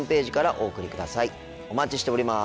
お待ちしております。